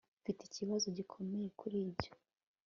mfite ikibazo gikomeye kuri ibyo